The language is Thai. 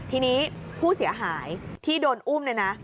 ทีนี้ผู้เสียหายที่โดนอุ้มเนี่ยนะ